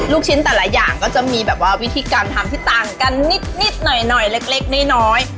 ลูกชิ้นแต่ละอย่างก็จะมีแบบว่าวิธีการทำที่ต่างกันนิดหน่อยเล็กน้อย